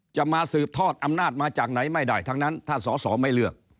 จะมาสืบทอดอำนาจมาจากไหนไม่ได้ทั้งนั้นถ้าสอสอไม่เลือก